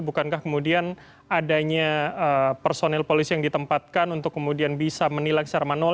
bukankah kemudian adanya personil polisi yang ditempatkan untuk kemudian bisa menilai secara manual